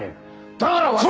だから私が！